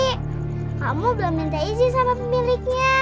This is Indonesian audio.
eh kamu belum minta izin sama pemiliknya